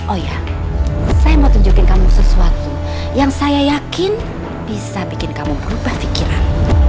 oh ya saya mau tunjukin kamu sesuatu yang saya yakin bisa bikin kamu berubah pikiran